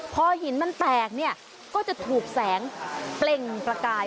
พอหินมันแตกเนี่ยก็จะถูกแสงเปล่งประกาย